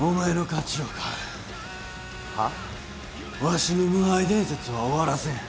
わしの無敗伝説は終わらせん。